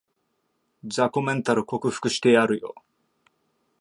雑魚メンタル克服してやるよ